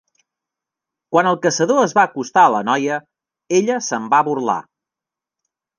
Quan el caçador es va acostar a la noia, ella se'n va burlar.